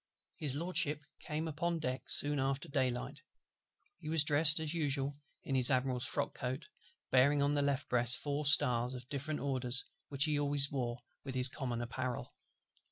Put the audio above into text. HIS LORDSHIP came upon deck soon after day light: he was dressed as usual in his Admiral's frock coat, bearing on the left breast four stars of different orders which he always wore with his common apparel.